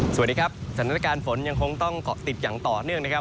สวัสดีครับสถานการณ์ฝนยังคงต้องเกาะติดอย่างต่อเนื่องนะครับ